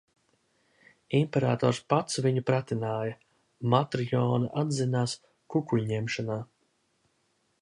Imperators pats viņu pratināja, Matrjona atzinās kukuļņemšanā.